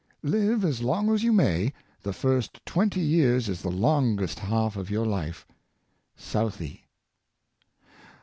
" Live as long as you may, the first twenty years is the longest half of your life." — SOUTHEY.